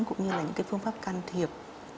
cũng như là những phương pháp can thiệp